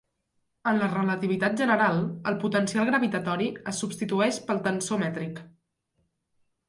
En la relativitat general, el potencial gravitatori es substitueix pel tensor mètric.